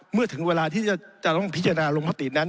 เมื่อถึงเวลาที่จะต้องพิจารณาลงมตินั้น